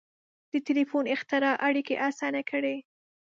• د ټیلیفون اختراع اړیکې آسانه کړې.